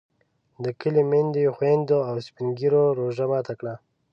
د کلي میندو، خویندو او سپین ږیرو روژه ماته کړه.